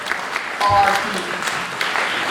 آردین